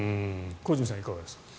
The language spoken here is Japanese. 小泉さん、いかがですか。